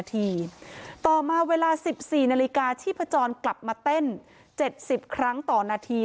ต่อมาเวลา๑๔นาฬิกาชีพจรกลับมาเต้น๗๐ครั้งต่อนาที